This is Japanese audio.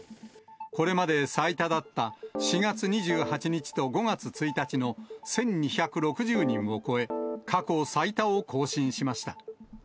これまで最多だった、４月２８日と５月１日の１２６０人を超え、過去最多を更新しました。